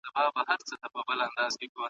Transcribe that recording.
موږ باید د خپلو خلګو خدمت وکړو.